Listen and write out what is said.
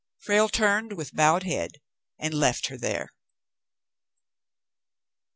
Frale turned with bowed head and left her there.